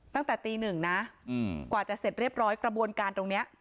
ตั้งแต่ตีหนึ่งนะกว่าจะเสร็จเรียบร้อยกระบวนการตรงนี้